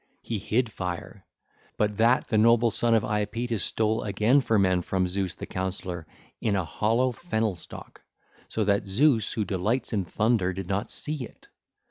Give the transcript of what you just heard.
He hid fire; but that the noble son of Iapetus stole again for men from Zeus the counsellor in a hollow fennel stalk, so that Zeus who delights in thunder did not see it.